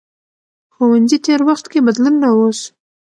ښوونځي تېر وخت کې بدلون راوست.